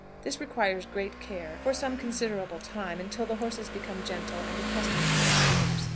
This requires great care for some considerable time, until the horses become gentle and accustomed to their herders.